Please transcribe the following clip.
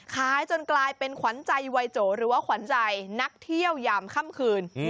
จนกลายเป็นขวัญใจวัยโจหรือว่าขวัญใจนักเที่ยวยามค่ำคืน